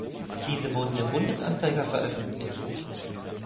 Diese wurden im Bundesanzeiger veröffentlicht.